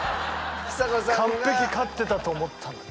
完璧勝ってたと思ったのに。